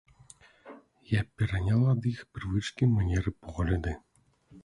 Я пераняла ад іх прывычкі, манеры, погляды.